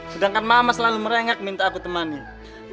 sedangkan mama selalu merenggak minta aku temanin